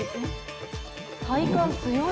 体幹強い。